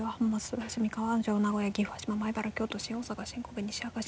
豊橋三河安城名古屋岐阜羽島米原京都新大阪新神戸西明石